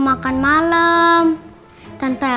bukan sekedar biri aja